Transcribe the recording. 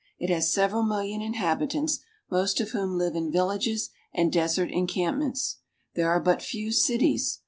It has several million inhabitants, most of whom live in villages and desert en campments. There are but few cities.